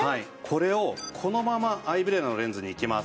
これをこのままアイブレラのレンズにいきます。